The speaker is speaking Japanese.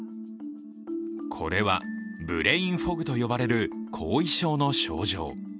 これはブレインフォグと呼ばれる後遺症の症状。